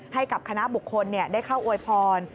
ให้กับคณะบุคคลได้เข้าอวยพร